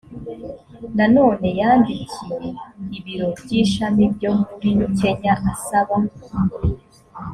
nanone yandikiye ibiro by ishami byo muri kenya asaba